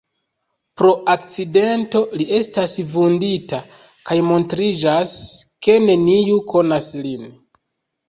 Pro akcidento li estas vundita, kaj montriĝas, ke neniu konas lin.